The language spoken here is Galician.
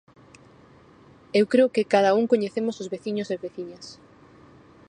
Eu creo que cada un coñecemos os veciños e veciñas.